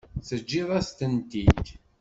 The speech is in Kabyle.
Teǧǧiḍ-as-tent-id?